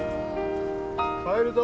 帰るぞ！